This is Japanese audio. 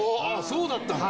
そうだったんだ！